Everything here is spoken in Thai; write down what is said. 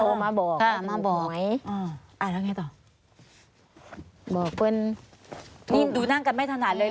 มาบอกค่ะมาบ่อยอ่าอ่าแล้วไงต่อบอกเพื่อนนี่ดูนั่งกันไม่ถนัดเลย